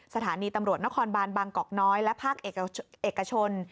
สถานีตำรวจนครบานบางกอกน้อยและภาคเอกชน